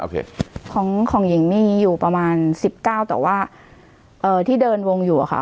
ของของหญิงมีอยู่ประมาณ๑๙แต่ว่าที่เดินวงอยู่อะค่ะ